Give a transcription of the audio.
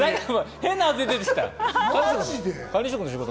変な汗、出てきた。